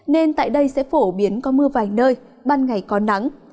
nên tại đây sẽ phổ biến có mưa vài nơi ban ngày có nắng